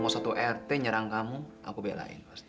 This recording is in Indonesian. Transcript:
mau empat orang mau satu rt nyerang kamu aku belain pasti